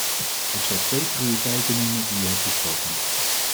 Ik zal twee prioriteiten noemen die u hebt besproken.